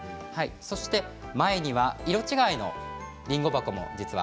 そして前には色違いのりんご箱もあります。